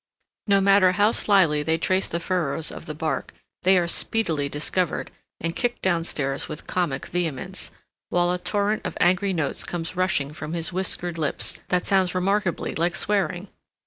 No matter how slyly they trace the furrows of the bark, they are speedily discovered, and kicked down stairs with comic vehemence, while a torrent of angry notes comes rushing from his whiskered lips that sounds remarkably like swearing.